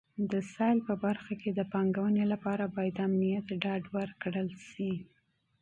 د سیاحت په برخه کې د پانګونې لپاره باید د امنیت ډاډ ورکړل شي.